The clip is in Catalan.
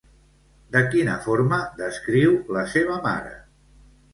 De quina forma descriu la seva mare?